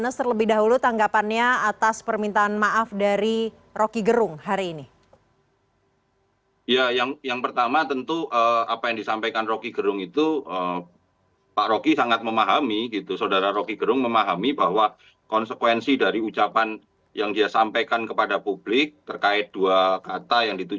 selamat malam mbak cacat